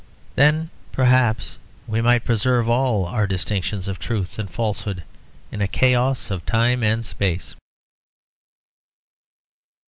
Then perhaps we might preserve all our distinctions of truth and falsehood in a chaos of time and space.